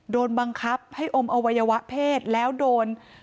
โดนบังคับให้อมอวัยวะเพศแล้วโดน